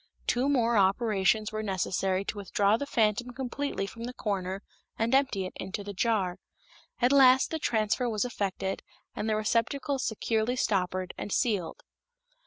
Two more operations were necessary to withdraw the phantom completely from the corner and empty it into the jar. At last the transfer was effected and the receptacle securely stoppered and sealed.